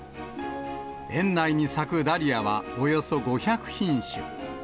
園内に咲くダリアは、およそ５００品種。